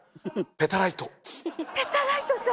ペタライトさん！